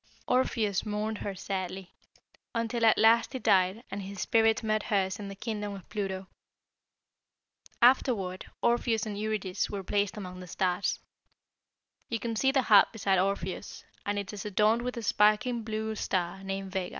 "Orpheus mourned her sadly, until at last he died and his spirit met hers in the kingdom of Pluto. Afterward Orpheus and Eurydice were placed among the stars. You can see the harp beside Orpheus, and it is adorned with a sparkling blue star named Vega.